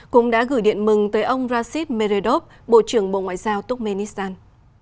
cũng đã gửi điện mừng tới ông rashid meredov bộ trưởng bộ ngoại giao turkmenistan